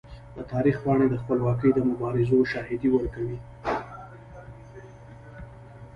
د تاریخ پاڼې د خپلواکۍ د مبارزو شاهدي ورکوي.